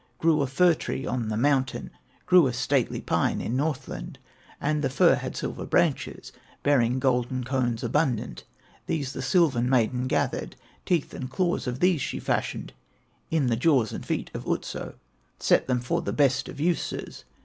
"Grew a fir tree on the mountain, Grew a stately pine in Northland, And the fir had silver branches, Bearing golden cones abundant; These the sylvan maiden gathered, Teeth and claws of these she fashioned In the jaws and feet of Otso, Set them for the best of uses.